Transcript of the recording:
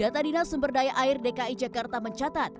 data dinas sumber daya air dki jakarta mencatat